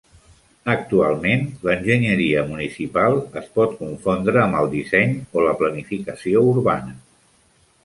Actualment, l'enginyeria municipal es pot confondre amb el disseny o la planificació urbana.